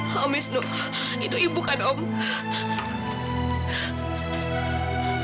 mas wisnu itu ibu kan mas